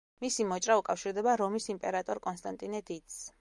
მისი მოჭრა უკავშირდება რომის იმპერატორ კონსტანტინე დიდს.